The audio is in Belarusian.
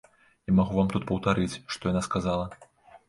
Я магу вам тут паўтарыць, што яна сказала.